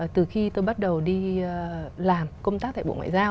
từ khi tôi bắt đầu đi làm công tác tại bộ ngoại giao